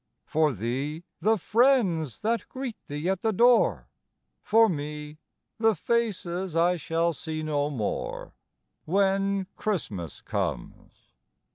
For thee, the friends that greet thee at the door, For me, the faces I shall see no more, When Christmas comes.